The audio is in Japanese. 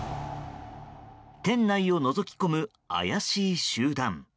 店内をのぞき込む怪しい集団。